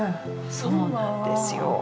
そうなんですよ。